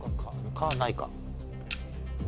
「か」ないか。